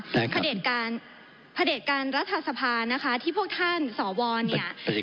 ได้ครับประเด็จการประเด็จการรัฐสภานะคะที่พวกท่านสอวรเนี้ย